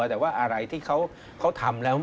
แต่ว่าอะไรที่เขาทำแล้ว